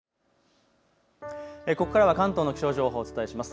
ここからは関東の気象情報をお伝えします。